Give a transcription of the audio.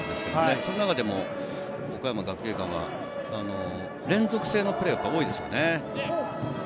その中でも岡山学芸館は、連続性のプレーが多いですね。